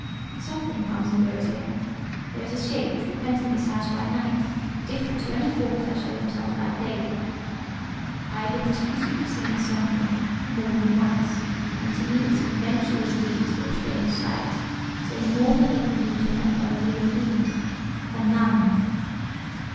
"Something comes and goes here: there is a shape frequenting this house by night, different to any forms that show themselves by day. I have indisputably seen a something, more than once; and to me its conventual weeds were a strange sight, saying more than they can do to any other living being. A nun!"